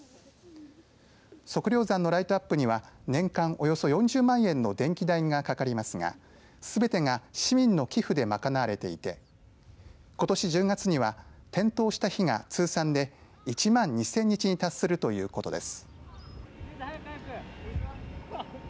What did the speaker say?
測量山のライトアップには年間およそ４０万円の電気代がかかりますがすべてが市民の寄付で賄われていてことし１０月には点灯した日が通算で１万２０００日に達するということです。